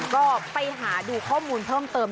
ก็ไปหาดูข้อมูลเพิ่มเติม